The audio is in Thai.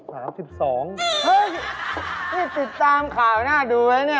เฮ้ยพี่ติดตามข่าวน่าดูไหมเนี่ย